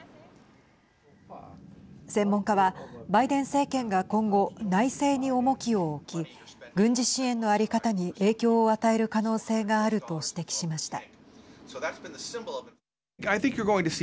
専門家はバイデン政権が今後内政に重きを置き軍事支援の在り方に影響を与える可能性があると指摘しました。